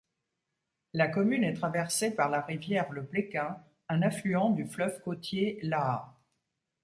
La commune est traversée la rivière le Bléquin, un affluent du fleuve côtier l'Aa.